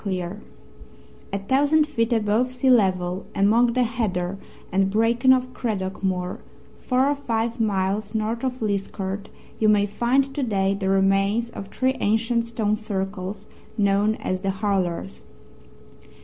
CLEER A thousand feet above sea level among the heather and bracken of Craddock Moor, four or five miles north of Liskeard, you may find to day the remains of three ancient stone circles known as "The Hurlers."